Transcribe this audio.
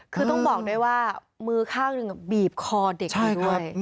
คือต้องบอกด้วยว่ามือข้างหนึ่งบีบคอเด็กอยู่ด้วย